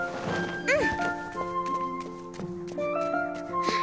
うん！